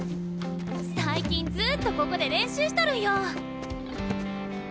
最近ずっとここで練習しとるんよ。